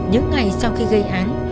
những ngày sau khi gây án